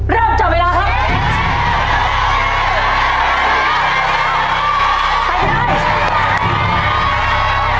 เริ่มจบเวลาครับ